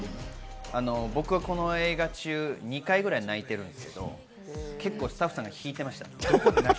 僕はこの映画中、２回ぐらい泣いてるんですけど結構スタッフさんが引いてました。